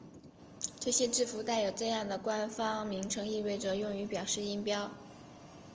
这些字符带有这样的官方名称意味着用于表示音标。